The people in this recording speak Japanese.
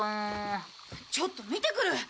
ちょっと見てくる！